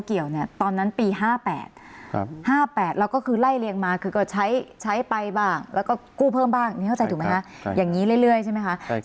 มีคนเป็นหนี้เจ้าหนี้คนนี้เยอะไหมคะ